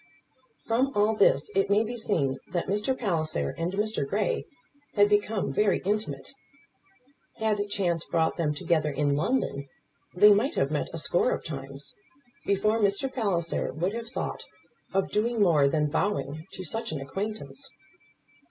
From all this it may be seen that Mr. Palliser and Mr. Grey had become very intimate. Had chance brought them together in London they might have met a score of times before Mr. Palliser would have thought of doing more than bowing to such an acquaintance.